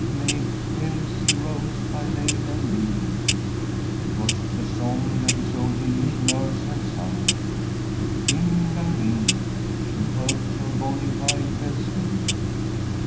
"Maid Elsie roams by lane and lea." It was the song that his old English nurse had sung: "Kling! lang! ling! She hears her bonny bride bells ring."